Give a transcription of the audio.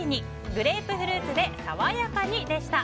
グレープフルーツで爽やかに！でした。